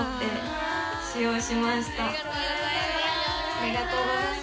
「ありがとうございます」。